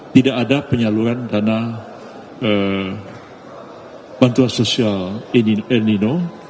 tidak ada penyaluran dana bantuan sosial ilnino